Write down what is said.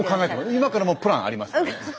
今からもうプランありますからね。